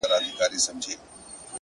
دغه جلال او دا جمال د زلفو مه راوله ـ